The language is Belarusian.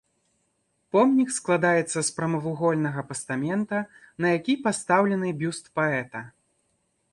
Помнік складаецца з прамавугольнага пастамента, на які пастаўлены бюст паэта.